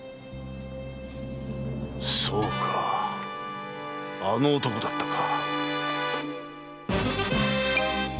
そうかあの男だったか。